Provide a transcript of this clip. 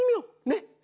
ねっ。